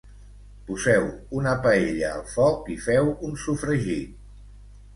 Poseu una paella al foc i feu un sofregit